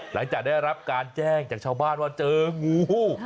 หลังจากได้รับการแจ้งจากชาวบ้านว่าเจองู